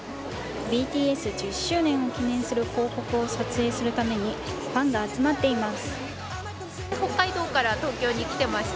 ＢＴＳ１０周年を記念する広告を撮影するためにファンが集まっています。